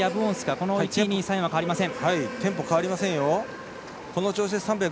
この１位２位３位は変わりません。